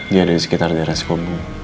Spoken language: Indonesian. dia ada di sekitar daerah sukabumi